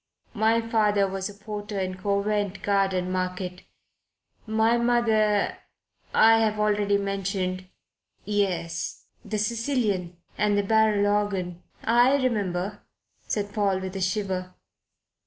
My father was a porter in Covent Garden Market. My mother I've already mentioned " "Yes the Sicilian and the barrel organ I remember," said Paul, with a shiver.